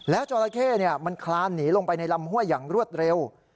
จราเข้มันคลานหนีลงไปในลำห้วยอย่างรวดเร็ว